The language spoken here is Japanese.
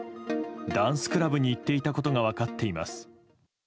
ダンスクラブに行っていたことが分かっています。